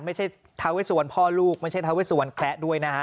ไม่ใช่ทาเวสวรรณพ่อลูกไม่ใช่ทาเวสวรรณแคละด้วยนะฮะ